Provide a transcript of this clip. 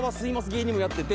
芸人もやってて。